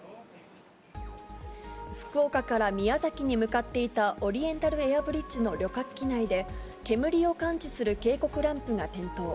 福岡から宮崎に向かっていたオリエンタルエアブリッジの旅客機内で、煙を感知する警告ランプが点灯。